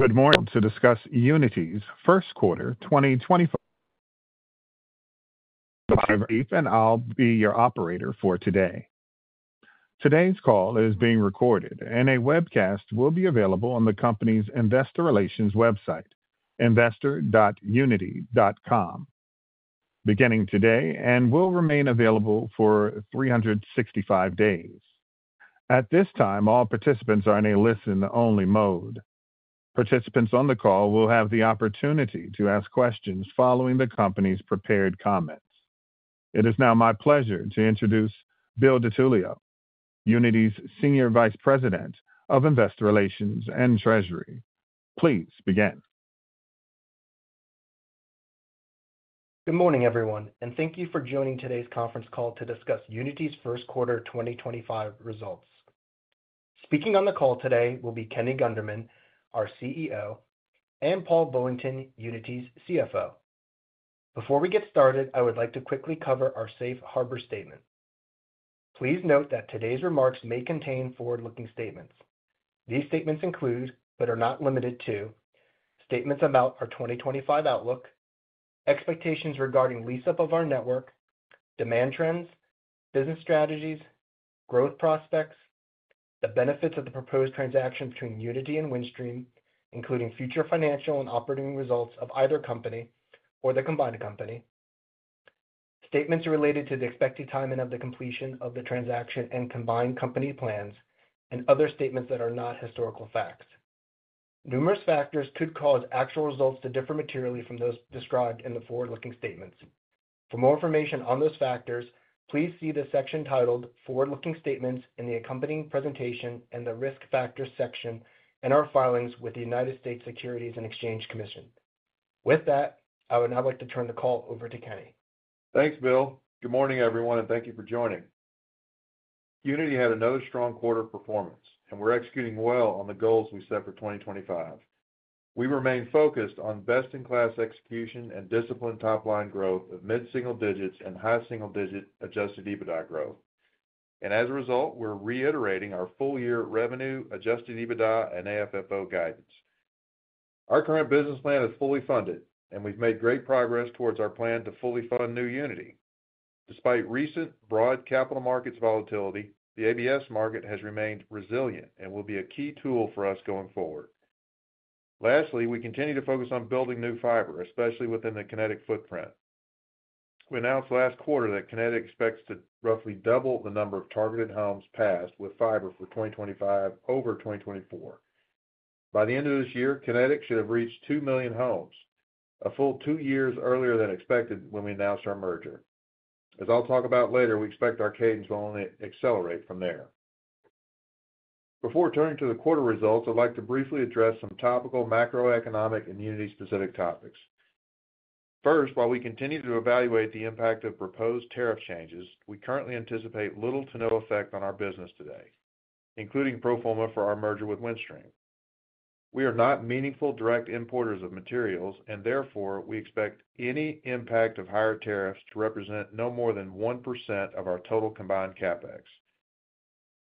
Good morning. To discuss Uniti's first quarter 2025. I'm Keith, and I'll be your operator for today. Today's call is being recorded, and a webcast will be available on the company's investor relations website, investor.uniti.com, beginning today and will remain available for 365 days. At this time, all participants are in a listen-only mode. Participants on the call will have the opportunity to ask questions following the company's prepared comments. It is now my pleasure to introduce Bill DiTullio, Uniti's Senior Vice President of Investor Relations and Treasury. Please begin. Good morning, everyone, and thank you for joining today's conference call to discuss Uniti's first quarter 2025 results. Speaking on the call today will be Kenny Gunderman, our CEO, and Paul Bullington, Uniti's CFO. Before we get started, I would like to quickly cover our safe harbor statement. Please note that today's remarks may contain forward-looking statements. These statements include, but are not limited to, statements about our 2025 outlook, expectations regarding lease-up of our network, demand trends, business strategies, growth prospects, the benefits of the proposed transaction between Uniti and Windstream, including future financial and operating results of either company or the combined company, statements related to the expected timing of the completion of the transaction and combined company plans, and other statements that are not historical facts. Numerous factors could cause actual results to differ materially from those described in the forward-looking statements. For more information on those factors, please see the section titled "Forward-looking Statements" in the accompanying presentation and the Risk Factors section in our filings with the United States Securities and Exchange Commission. With that, I would now like to turn the call over to Kenny. Thanks, Bill. Good morning, everyone, and thank you for joining. Uniti had another strong quarter performance, and we're executing well on the goals we set for 2025. We remain focused on best-in-class execution and disciplined top-line growth of mid-single digits and high-single digit Adjusted EBITDA growth. As a result, we're reiterating our full-year revenue, adjusted EBITDA, and AFFO guidance. Our current business plan is fully funded, and we've made great progress towards our plan to fully fund new Uniti. Despite recent broad capital markets volatility, the ABS market has remained resilient and will be a key tool for us going forward. Lastly, we continue to focus on building new fiber, especially within the Kinetic footprint. We announced last quarter that Kinetic expects to roughly double the number of targeted homes passed with fiber for 2025 over 2024. By the end of this year, Kinetic should have reached 2 million homes, a full two years earlier than expected when we announced our merger. As I'll talk about later, we expect our cadence will only accelerate from there. Before turning to the quarter results, I'd like to briefly address some topical macroeconomic and Uniti-specific topics. First, while we continue to evaluate the impact of proposed tariff changes, we currently anticipate little to no effect on our business today, including pro forma for our merger with Windstream. We are not meaningful direct importers of materials, and therefore we expect any impact of higher tariffs to represent no more than 1% of our total combined CapEx.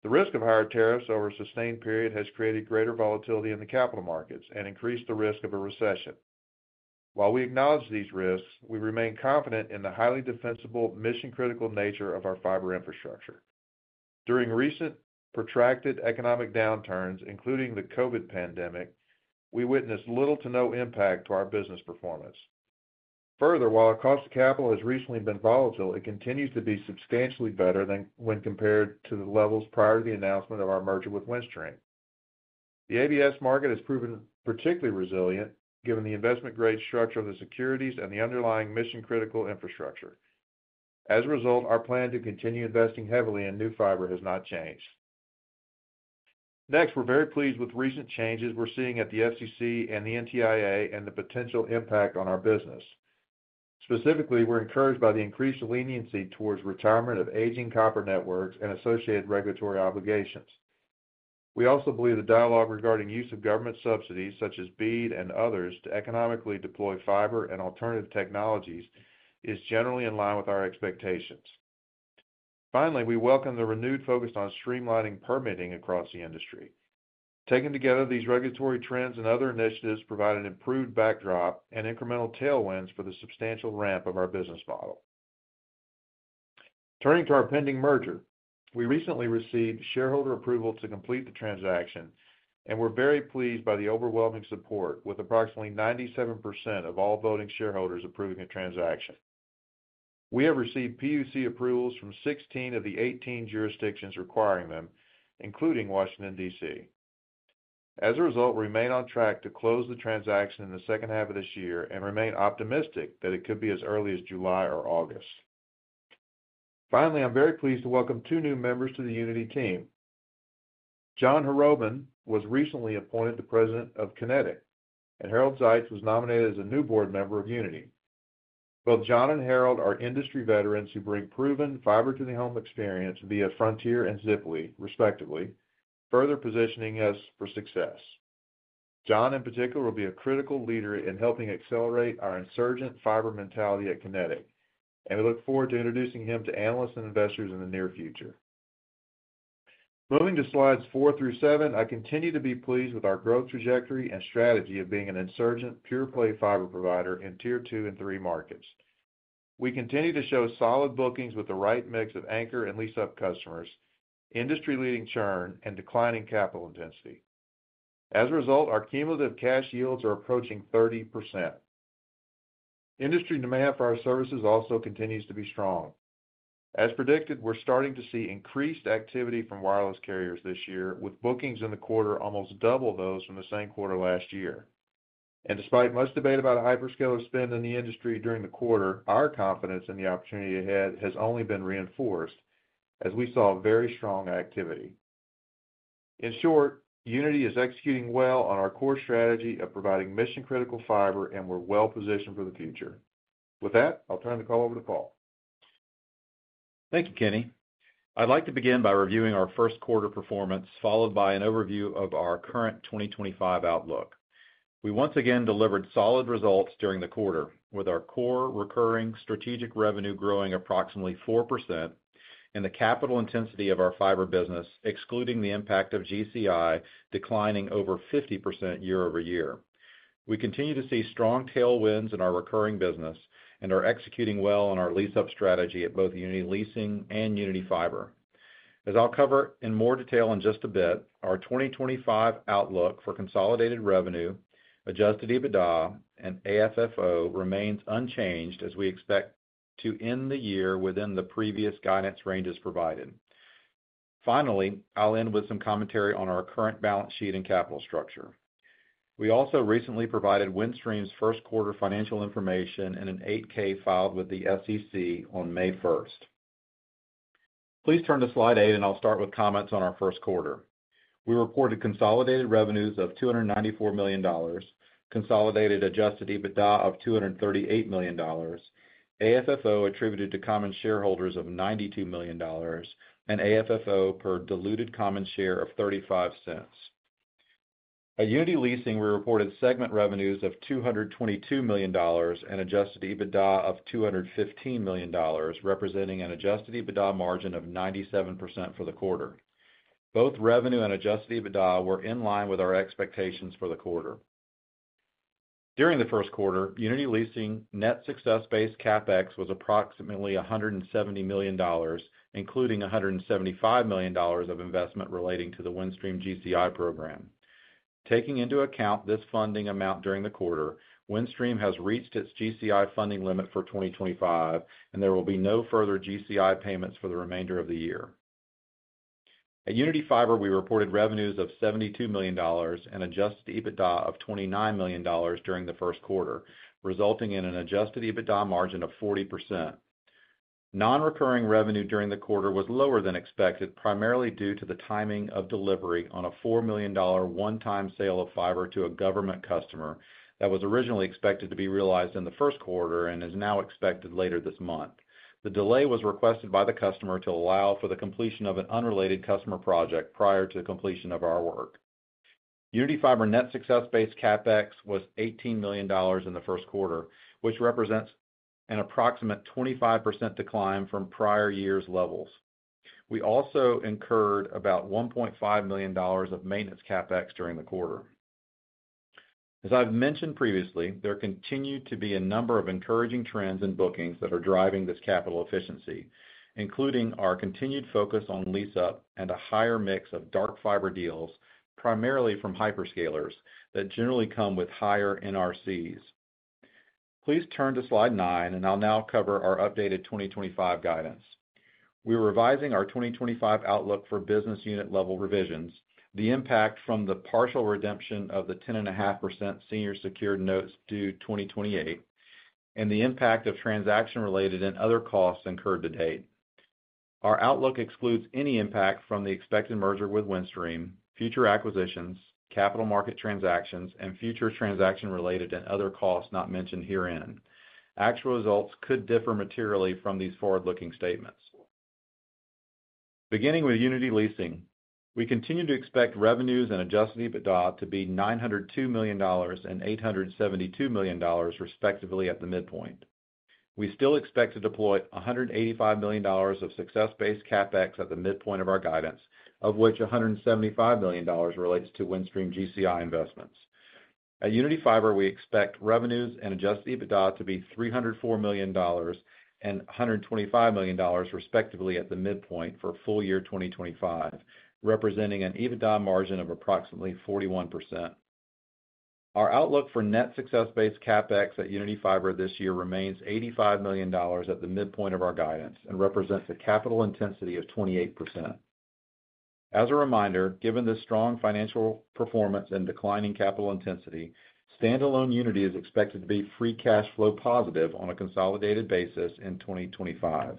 The risk of higher tariffs over a sustained period has created greater volatility in the capital markets and increased the risk of a recession. While we acknowledge these risks, we remain confident in the highly defensible, mission-critical nature of our fiber infrastructure. During recent protracted economic downturns, including the COVID pandemic, we witnessed little to no impact to our business performance. Further, while our cost of capital has recently been volatile, it continues to be substantially better than when compared to the levels prior to the announcement of our merger with Windstream. The ABS market has proven particularly resilient given the investment-grade structure of the securities and the underlying mission-critical infrastructure. As a result, our plan to continue investing heavily in new fiber has not changed. Next, we're very pleased with recent changes we're seeing at the FCC and the NTIA and the potential impact on our business. Specifically, we're encouraged by the increased leniency towards retirement of aging copper networks and associated regulatory obligations. We also believe the dialogue regarding use of government subsidies, such as BEAD and others, to economically deploy fiber and alternative technologies is generally in line with our expectations. Finally, we welcome the renewed focus on streamlining permitting across the industry. Taking together these regulatory trends and other initiatives provide an improved backdrop and incremental tailwinds for the substantial ramp of our business model. Turning to our pending merger, we recently received shareholder approval to complete the transaction, and we're very pleased by the overwhelming support, with approximately 97% of all voting shareholders approving the transaction. We have received PUC approvals from 16 of the 18 jurisdictions requiring them, including Washington, DC. As a result, we remain on track to close the transaction in the second half of this year and remain optimistic that it could be as early as July or August. Finally, I'm very pleased to welcome two new members to the Uniti team. John Harrobin was recently appointed the President of Kinetic, and Harold Zeitz was nominated as a new board member of Uniti. Both John and Harold are industry veterans who bring proven fiber-to-the-home experience via Frontier and Ziply, respectively, further positioning us for success. John, in particular, will be a critical leader in helping accelerate our insurgent fiber mentality at Kinetic, and we look forward to introducing him to analysts and investors in the near future. Moving to slides four through seven, I continue to be pleased with our growth trajectory and strategy of being an insurgent pure-play fiber provider in tier two and three markets. We continue to show solid bookings with the right mix of anchor and lease-up customers, industry-leading churn, and declining capital intensity. As a result, our cumulative cash yields are approaching 30%. Industry demand for our services also continues to be strong. As predicted, we're starting to see increased activity from wireless carriers this year, with bookings in the quarter almost double those from the same quarter last year. Despite much debate about a hyperscaler spend in the industry during the quarter, our confidence in the opportunity ahead has only been reinforced as we saw very strong activity. In short, Uniti is executing well on our core strategy of providing mission-critical fiber, and we're well positioned for the future. With that, I'll turn the call over to Paul. Thank you, Kenny. I'd like to begin by reviewing our first quarter performance, followed by an overview of our current 2025 outlook. We once again delivered solid results during the quarter, with our core recurring strategic revenue growing approximately 4% and the capital intensity of our fiber business, excluding the impact of GCI, declining over 50% year over year. We continue to see strong tailwinds in our recurring business and are executing well on our lease-up strategy at both Uniti Leasing and Uniti Fiber. As I'll cover in more detail in just a bit, our 2025 outlook for consolidated revenue, Adjusted EBITDA, and AFFO remains unchanged as we expect to end the year within the previous guidance ranges provided. Finally, I'll end with some commentary on our current balance sheet and capital structure. We also recently provided Windstream's first quarter financial information in an 8-K filed with the SEC on May 1st. Please turn to slide eight, and I'll start with comments on our first quarter. We reported consolidated revenues of $294 million, consolidated Adjusted EBITDA of $238 million, AFFO attributed to common shareholders of $92 million, and AFFO per diluted common share of $0.35. At Uniti Leasing, we reported segment revenues of $222 million and Adjusted EBITDA of $215 million, representing an Adjusted EBITDA margin of 97% for the quarter. Both revenue and Adjusted EBITDA were in line with our expectations for the quarter. During the first quarter, Uniti Leasing net success-based CapEx was approximately $170 million, including $175 million of investment relating to the Windstream GCI program. Taking into account this funding amount during the quarter, Windstream has reached its GCI funding limit for 2025, and there will be no further GCI payments for the remainder of the year. At Uniti Fiber, we reported revenues of $72 million and Adjusted EBITDA of $29 million during the first quarter, resulting in an Adjusted EBITDA margin of 40%. Non-recurring revenue during the quarter was lower than expected, primarily due to the timing of delivery on a $4 million one-time sale of fiber to a government customer that was originally expected to be realized in the first quarter and is now expected later this month. The delay was requested by the customer to allow for the completion of an unrelated customer project prior to the completion of our work. Uniti Fiber net success-based CapEx was $18 million in the first quarter, which represents an approximate 25% decline from prior year's levels. We also incurred about $1.5 million of maintenance CapEx during the quarter. As I've mentioned previously, there continue to be a number of encouraging trends in bookings that are driving this capital efficiency, including our continued focus on lease-up and a higher mix of dark fiber deals, primarily from hyperscalers that generally come with higher NRCs. Please turn to slide nine, and I'll now cover our updated 2025 guidance. We are revising our 2025 outlook for business unit-level revisions, the impact from the partial redemption of the 10.5% senior secured notes due 2028, and the impact of transaction-related and other costs incurred to date. Our outlook excludes any impact from the expected merger with Windstream, future acquisitions, capital market transactions, and future transaction-related and other costs not mentioned herein. Actual results could differ materially from these forward-looking statements. Beginning with Uniti Leasing, we continue to expect revenues and Adjusted EBITDA to be $902 million and $872 million, respectively, at the midpoint. We still expect to deploy $185 million of success-based CapEx at the midpoint of our guidance, of which $175 million relates to Windstream GCI investments. At Uniti Fiber, we expect revenues and Adjusted EBITDA to be $304 million and $125 million, respectively, at the midpoint for full year 2025, representing an EBITDA margin of approximately 41%. Our outlook for net success-based CapEx at Uniti Fiber this year remains $85 million at the midpoint of our guidance and represents a capital intensity of 28%. As a reminder, given the strong financial performance and declining capital intensity, standalone Uniti is expected to be free cash flow positive on a consolidated basis in 2025.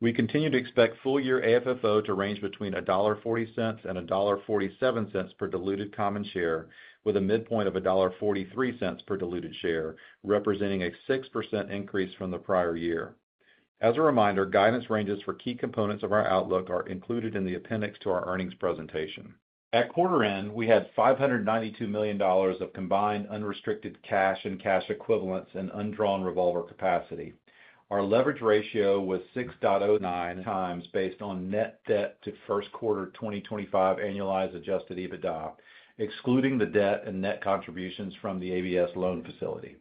We continue to expect full year AFFO to range between $1.40 and $1.47 per diluted common share, with a midpoint of $1.43 per diluted share, representing a 6% increase from the prior year. As a reminder, guidance ranges for key components of our outlook are included in the appendix to our earnings presentation. At quarter end, we had $592 million of combined unrestricted cash and cash equivalents and undrawn revolver capacity. Our leverage ratio was 6.09x based on net debt to first quarter 2025 annualized Adjusted EBITDA, excluding the debt and net contributions from the ABS loan facility.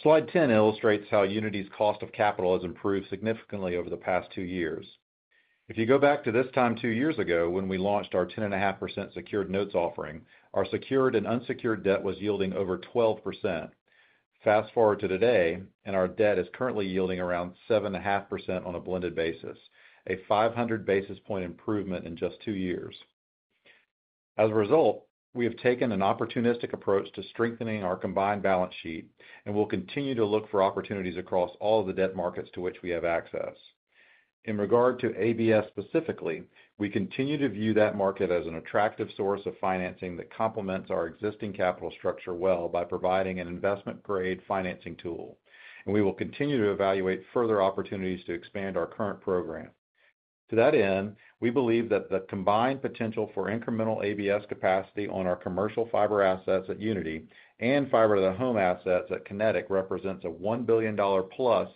Slide 10 illustrates how Uniti's cost of capital has improved significantly over the past two years. If you go back to this time two years ago when we launched our 10.5% secured notes offering, our secured and unsecured debt was yielding over 12%. Fast forward to today, and our debt is currently yielding around 7.5% on a blended basis, a 500 basis point improvement in just two years. As a result, we have taken an opportunistic approach to strengthening our combined balance sheet, and we'll continue to look for opportunities across all of the debt markets to which we have access. In regard to ABS specifically, we continue to view that market as an attractive source of financing that complements our existing capital structure well by providing an investment-grade financing tool, and we will continue to evaluate further opportunities to expand our current program. To that end, we believe that the combined potential for incremental ABS capacity on our commercial fiber assets at Uniti and fiber-to-the-home assets at Kinetic represents a $1 billion+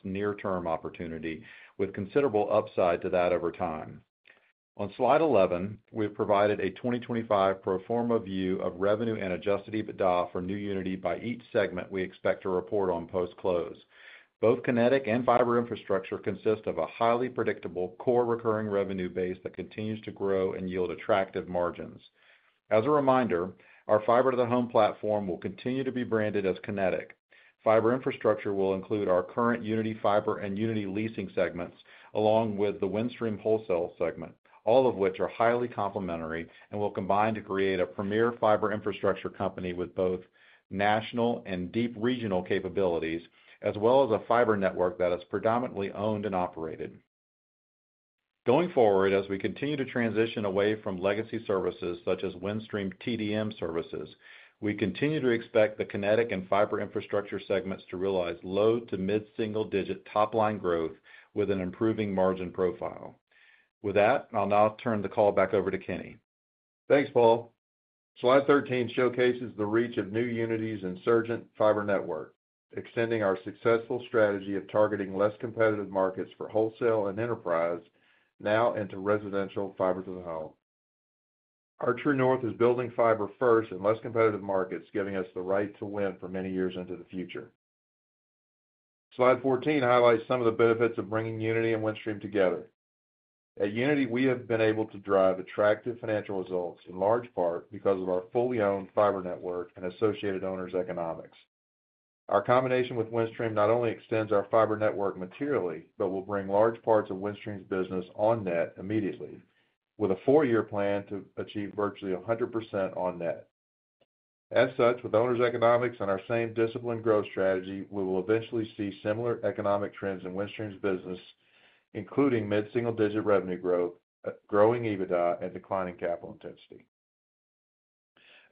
near-term opportunity, with considerable upside to that over time. On slide 11, we have provided a 2025 pro forma view of revenue and Adjusted EBITDA for new Uniti by each segment we expect to report on post-close. Both Kinetic and fiber infrastructure consist of a highly predictable core recurring revenue base that continues to grow and yield attractive margins. As a reminder, our fiber-to-the-home platform will continue to be branded as Kinetic. Fiber infrastructure will include our current Uniti Fiber and Uniti Leasing segments, along with the Windstream Wholesale segment, all of which are highly complementary and will combine to create a premier fiber infrastructure company with both national and deep regional capabilities, as well as a fiber network that is predominantly owned and operated. Going forward, as we continue to transition away from legacy services such as Windstream TDM services, we continue to expect the Kinetic and fiber infrastructure segments to realize low to mid-single-digit top-line growth with an improving margin profile. With that, I'll now turn the call back over to Kenny. Thanks, Paul. Slide 13 showcases the reach of new Uniti's insurgent fiber network, extending our successful strategy of targeting less competitive markets for wholesale and enterprise, now into residential fiber-to-the-home. Archer North is building fiber first in less competitive markets, giving us the right to win for many years into the future. Slide 14 highlights some of the benefits of bringing Uniti and Windstream together. At Uniti, we have been able to drive attractive financial results, in large part because of our fully owned fiber network and associated owners' economics. Our combination with Windstream not only extends our fiber network materially, but will bring large parts of Windstream's business on net immediately, with a four-year plan to achieve virtually 100% on net. As such, with owners' economics and our same disciplined growth strategy, we will eventually see similar economic trends in Windstream's business, including mid-single-digit revenue growth, growing EBITDA, and declining capital intensity.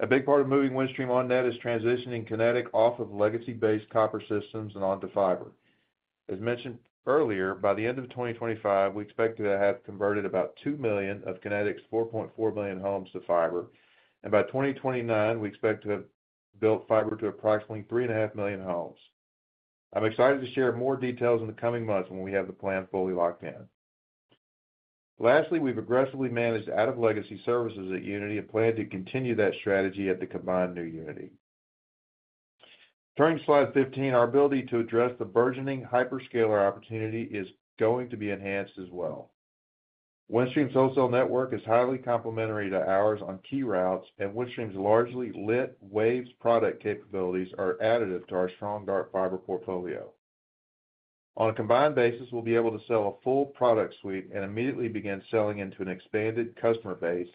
A big part of moving Windstream on net is transitioning Kinetic off of legacy-based copper systems and onto fiber. As mentioned earlier, by the end of 2025, we expect to have converted about 2 million of Kinetic's 4.4 million homes to fiber, and by 2029, we expect to have built fiber to approximately 3.5 million homes. I'm excited to share more details in the coming months when we have the plan fully locked in. Lastly, we've aggressively managed out-of-legacy services at Uniti and plan to continue that strategy at the combined new Uniti. Turning to slide 15, our ability to address the burgeoning hyperscaler opportunity is going to be enhanced as well. Windstream's wholesale network is highly complementary to ours on key routes, and Windstream's largely lit waves product capabilities are additive to our strong dark fiber portfolio. On a combined basis, we'll be able to sell a full product suite and immediately begin selling into an expanded customer base,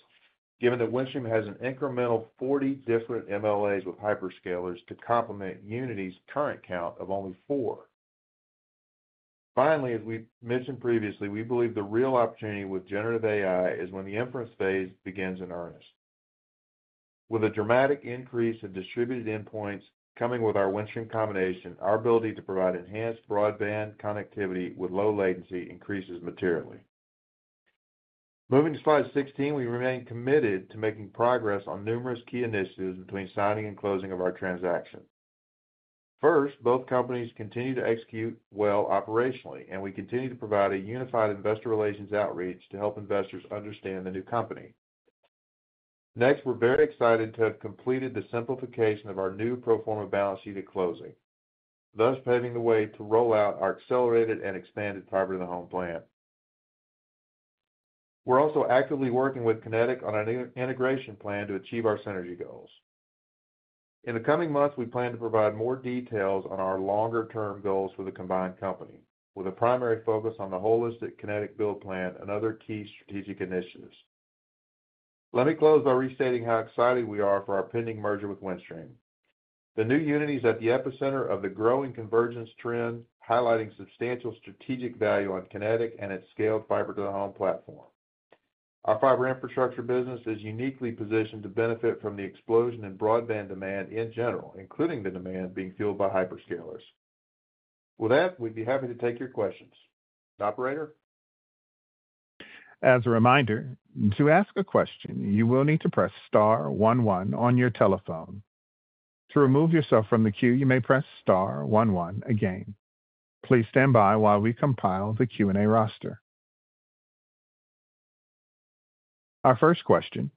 given that Windstream has an incremental 40 different MLAs with hyperscalers to complement Uniti's current count of only four. Finally, as we mentioned previously, we believe the real opportunity with generative AI is when the inference phase begins in earnest. With a dramatic increase in distributed endpoints coming with our Windstream combination, our ability to provide enhanced broadband connectivity with low latency increases materially. Moving to slide 16, we remain committed to making progress on numerous key initiatives between signing and closing of our transaction. First, both companies continue to execute well operationally, and we continue to provide a unified investor relations outreach to help investors understand the new company. Next, we're very excited to have completed the simplification of our new pro forma balance sheet at closing, thus paving the way to roll out our accelerated and expanded fiber-to-the-home plan. We're also actively working with Kinetic on an integration plan to achieve our synergy goals. In the coming months, we plan to provide more details on our longer-term goals for the combined company, with a primary focus on the holistic Kinetic build plan and other key strategic initiatives. Let me close by restating how excited we are for our pending merger with Windstream. The new Uniti is at the epicenter of the growing convergence trend, highlighting substantial strategic value on Kinetic and its scaled fiber-to-the-home platform. Our fiber infrastructure business is uniquely positioned to benefit from the explosion in broadband demand in general, including the demand being fueled by hyperscalers. With that, we'd be happy to take your questions. Operator? As a reminder, to ask a question, you will need to press star one one on your telephone. To remove yourself from the queue, you may press star one one again. Please stand by while we compile the Q&A roster. Our first question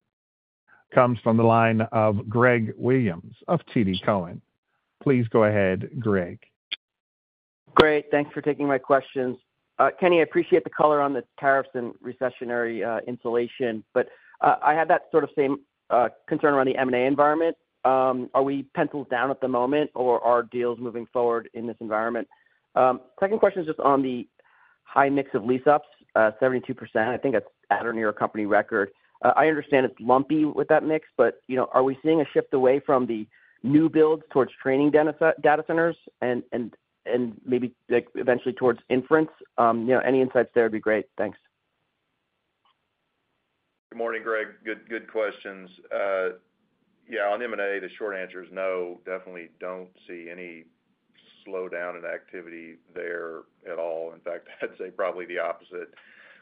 comes from the line of Greg Williams of TD Cowen. Please go ahead, Greg. Great. Thanks for taking my questions. Kenny, I appreciate the color on the tariffs and recessionary insulation, but I had that sort of same concern around the M&A environment. Are we penciled down at the moment, or are deals moving forward in this environment? Second question is just on the high mix of lease-ups, 72%. I think that's at or near a company record. I understand it's lumpy with that mix, but are we seeing a shift away from the new builds towards training data centers and maybe eventually towards inference? Any insights there would be great. Thanks. Good morning, Greg. Good questions. Yeah, on M&A, the short answer is no. Definitely do not see any slowdown in activity there at all. In fact, I would say probably the opposite.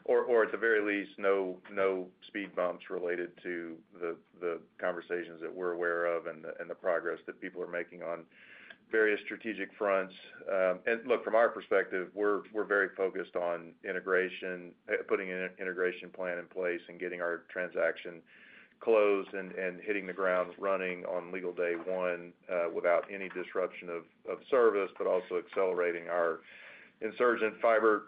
Or at the very least, no speed bumps related to the conversations that we are aware of and the progress that people are making on various strategic fronts. Look, from our perspective, we are very focused on integration, putting an integration plan in place and getting our transaction closed and hitting the ground running on legal day one without any disruption of service, but also accelerating our insurgent fiber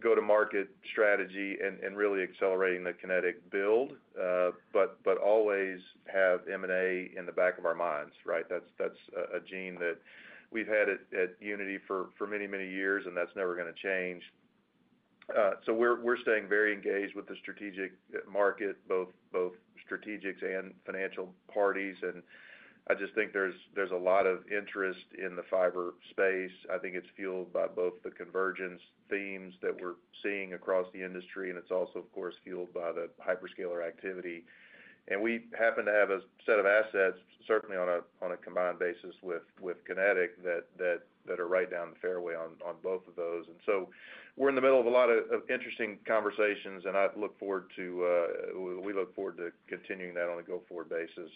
go-to-market strategy and really accelerating the Kinetic build, but always have M&A in the back of our minds, right? That is a gene that we have had at Uniti for many, many years, and that is never going to change. We're staying very engaged with the strategic market, both strategics and financial parties. I just think there's a lot of interest in the fiber space. I think it's fueled by both the convergence themes that we're seeing across the industry, and it's also, of course, fueled by the hyperscaler activity. We happen to have a set of assets, certainly on a combined basis with Kinetic, that are right down the fairway on both of those. We're in the middle of a lot of interesting conversations, and we look forward to continuing that on a go-forward basis.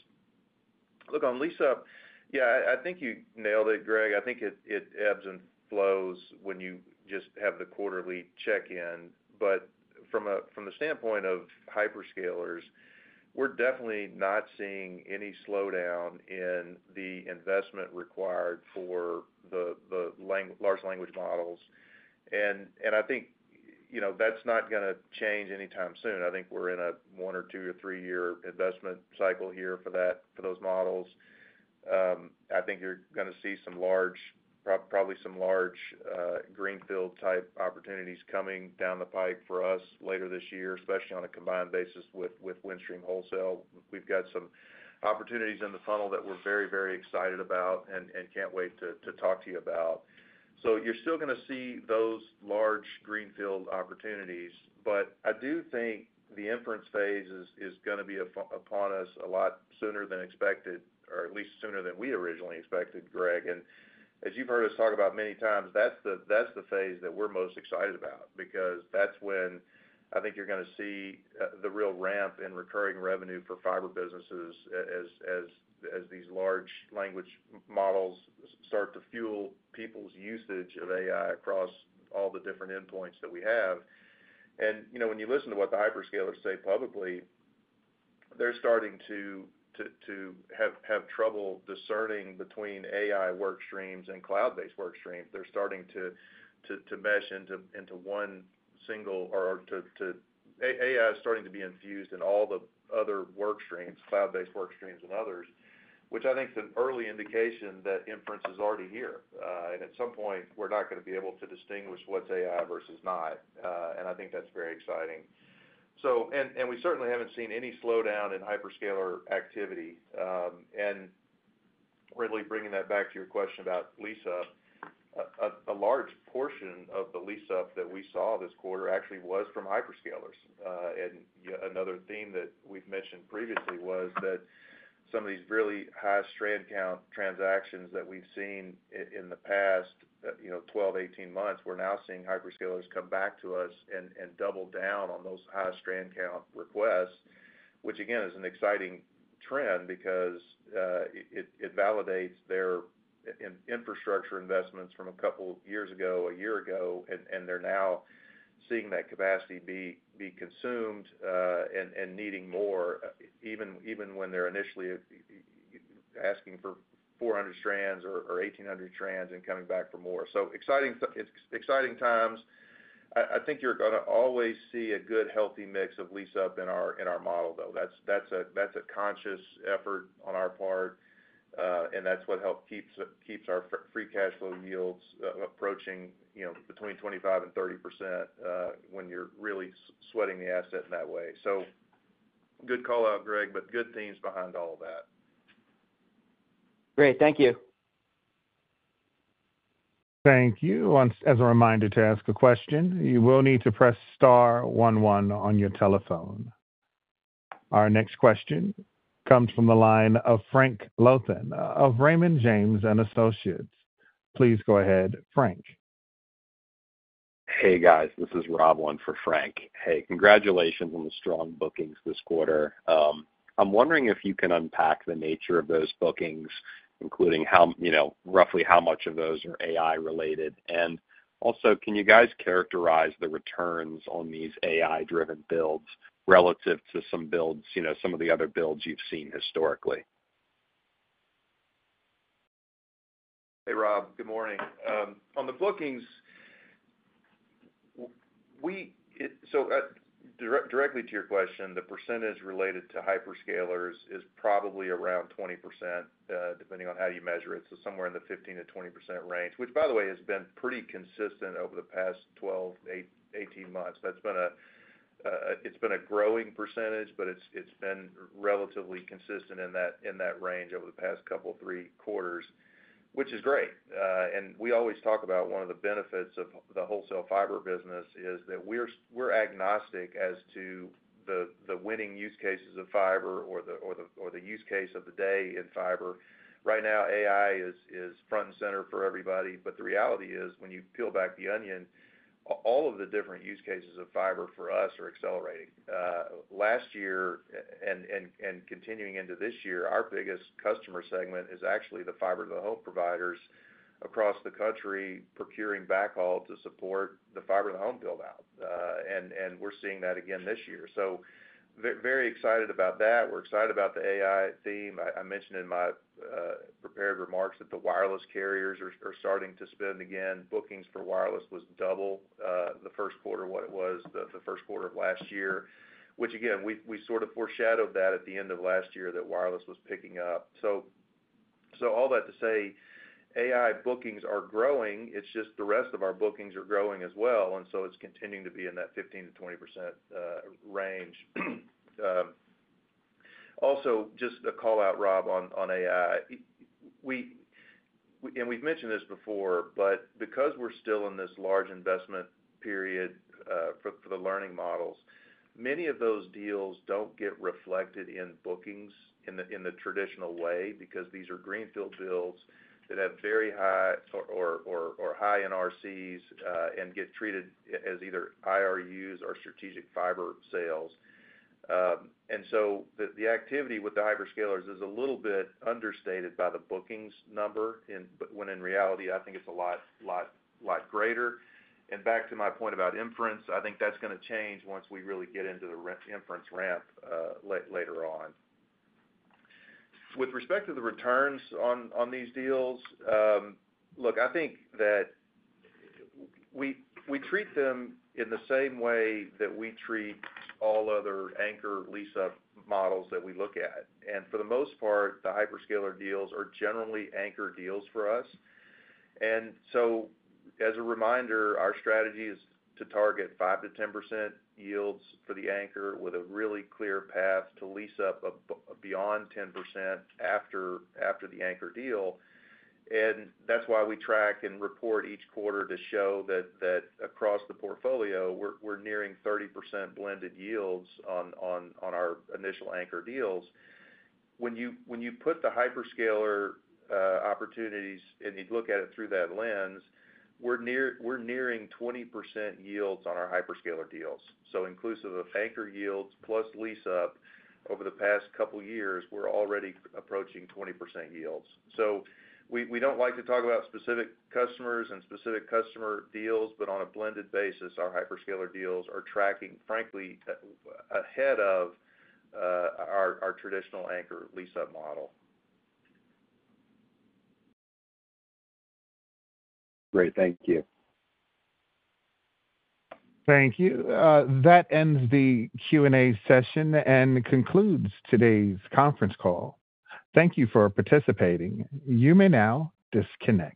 Look, on lease-up, yeah, I think you nailed it, Greg. I think it ebbs and flows when you just have the quarterly check-in. From the standpoint of hyperscalers, we're definitely not seeing any slowdown in the investment required for the large language models.I think that's not going to change anytime soon. I think we're in a one- or two- or three-year investment cycle here for those models. I think you're going to see some large, probably some large greenfield-type opportunities coming down the pike for us later this year, especially on a combined basis with Windstream Wholesale. We've got some opportunities in the funnel that we're very, very excited about and can't wait to talk to you about. You're still going to see those large greenfield opportunities, but I do think the inference phase is going to be upon us a lot sooner than expected, or at least sooner than we originally expected, Greg. As you've heard us talk about many times, that's the phase that we're most excited about because that's when I think you're going to see the real ramp in recurring revenue for fiber businesses as these large language models start to fuel people's usage of AI across all the different endpoints that we have. When you listen to what the hyperscalers say publicly, they're starting to have trouble discerning between AI workstreams and cloud-based workstreams. They're starting to mesh into one single, or AI is starting to be infused in all the other workstreams, cloud-based workstreams and others, which I think is an early indication that inference is already here. At some point, we're not going to be able to distinguish what's AI versus not. I think that's very exciting. We certainly haven't seen any slowdown in hyperscaler activity. Really bringing that back to your question about lease-up, a large portion of the lease-up that we saw this quarter actually was from hyperscalers. Another theme that we have mentioned previously was that some of these really high strand count transactions that we have seen in the past 12, 18 months, we are now seeing hyperscalers come back to us and double down on those high strand count requests, which again is an exciting trend because it validates their infrastructure investments from a couple of years ago, a year ago, and they are now seeing that capacity be consumed and needing more, even when they are initially asking for 400 strands or 1,800 strands and coming back for more. Exciting times. I think you are going to always see a good, healthy mix of lease-up in our model, though. That's a conscious effort on our part, and that's what helps keep our free cash flow yields approaching between 25% and 30% when you're really sweating the asset in that way. Good call out, Greg, but good themes behind all of that. Great. Thank you. Thank you. As a reminder to ask a question, you will need to press star one one on your telephone. Our next question comes from the line of Frank Louthan of Raymond James & Associates. Please go ahead, Frank. Hey, guys. This is Rob Wynn for Frank. Hey, congratulations on the strong bookings this quarter. I'm wondering if you can unpack the nature of those bookings, including roughly how much of those are AI-related. Also, can you guys characterize the returns on these AI-driven builds relative to some of the other builds you've seen historically? Hey, Rob. Good morning. On the bookings, so directly to your question, the percentage related to hyperscalers is probably around 20%, depending on how you measure it. So somewhere in the 15-20% range, which, by the way, has been pretty consistent over the past 12, 18 months. It's been a growing percentage, but it's been relatively consistent in that range over the past couple of three quarters, which is great. We always talk about one of the benefits of the wholesale fiber business is that we're agnostic as to the winning use cases of fiber or the use case of the day in fiber. Right now, AI is front and center for everybody. The reality is, when you peel back the onion, all of the different use cases of fiber for us are accelerating. Last year and continuing into this year, our biggest customer segment is actually the fiber-to-the-home providers across the country procuring backhaul to support the fiber-to-the-home build-out. We are seeing that again this year. Very excited about that. We are excited about the AI theme. I mentioned in my prepared remarks that the wireless carriers are starting to spend again. Bookings for wireless was double the first quarter of what it was the first quarter of last year, which, again, we sort of foreshadowed that at the end of last year that wireless was picking up. All that to say, AI bookings are growing. It is just the rest of our bookings are growing as well. It is continuing to be in that 15%-20% range. Also, just a call out, Rob, on AI. We have mentioned this before, but because we are still in this large investment period for the learning models, many of those deals do not get reflected in bookings in the traditional way because these are greenfield builds that have very high or high NRCs and get treated as either IRUs or strategic fiber sales. The activity with the hyperscalers is a little bit understated by the bookings number, when in reality, I think it is a lot greater. Back to my point about inference, I think that is going to change once we really get into the inference ramp later on. With respect to the returns on these deals, look, I think that we treat them in the same way that we treat all other anchor lease-up models that we look at. For the most part, the hyperscaler deals are generally anchor deals for us. As a reminder, our strategy is to target 5-10% yields for the anchor with a really clear path to lease-up beyond 10% after the anchor deal. That is why we track and report each quarter to show that across the portfolio, we are nearing 30% blended yields on our initial anchor deals. When you put the hyperscaler opportunities and you look at it through that lens, we are nearing 20% yields on our hyperscaler deals. Inclusive of anchor yields plus lease-up, over the past couple of years, we are already approaching 20% yields. We do not like to talk about specific customers and specific customer deals, but on a blended basis, our hyperscaler deals are tracking, frankly, ahead of our traditional anchor lease-up model. Great. Thank you. Thank you. That ends the Q&A session and concludes today's conference call. Thank you for participating. You may now disconnect.